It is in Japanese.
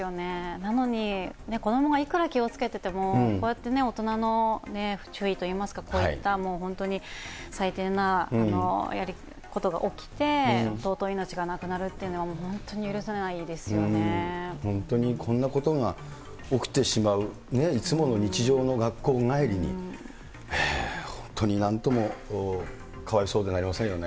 なのに、子どもがいくら気をつけてても、こうやって大人の不注意といいますか、こういった本当に最低なことが起きて尊い命が亡くなるというのは本当にこんなことが起きてしまう、いつもの日常の学校帰りに、本当になんともかわいそうでなりませんよね。